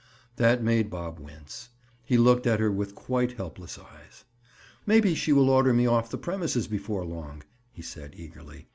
That made Bob wince. He looked at her with quite helpless eyes. "Maybe she will order me off the premises before long," he said eagerly.